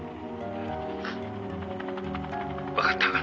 「」「わかった」